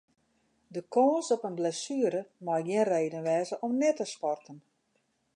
De kâns op in blessuere mei gjin reden wêze om net te sporten.